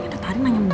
udah tadi nanya mulu